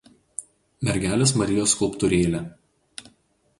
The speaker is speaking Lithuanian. Mergelės Marijos skulptūrėlė.